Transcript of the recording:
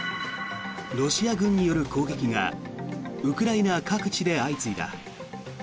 ロシア軍による攻撃がウクライナ各地で相次いだ。